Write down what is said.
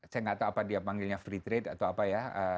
saya nggak tahu apa dia panggilnya free trade atau apa ya